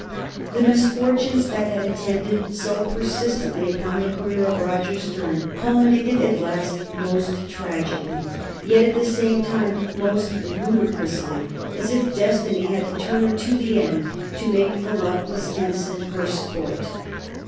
The misfortunes that had attended so persistently upon the career of Roger Sterne culminated at last most trag ically, yet at the same time most ludicrously, as if Destiny had determined to the end to make the luckless ensign her sport.